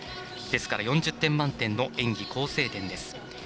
ですから４０点満点の演技構成点です。